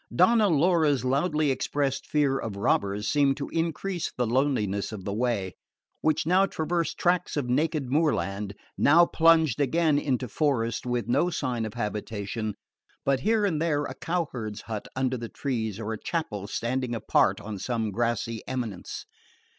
Donna Laura's loudly expressed fear of robbers seemed to increase the loneliness of the way, which now traversed tracts of naked moorland, now plunged again into forest, with no sign of habitation but here and there a cowherd's hut under the trees or a chapel standing apart on some grassy eminence.